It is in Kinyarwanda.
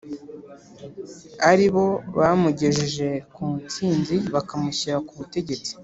ari bo bamugejeje ku nsinzi bakamushyira ku butegetsi